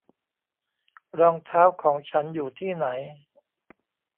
รองเท้าของฉันอยู่ที่ไหน